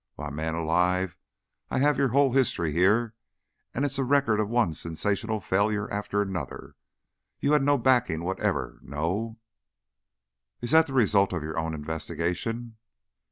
Why, man alive, I have your whole history here, and it's a record of one sensational failure after another. You had no backing whatever, no " "Is that the result of your own investigation?"